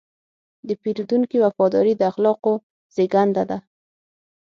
د پیرودونکي وفاداري د اخلاقو زېږنده ده.